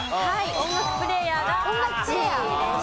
音楽プレーヤーが８位でした。